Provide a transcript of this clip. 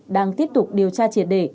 đang tiếp tục điều tra triệt đề